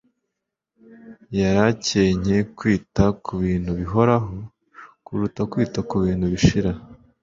Yari akencye kwita ku bintu bihoraho kuruta kwita ku bintu bishira.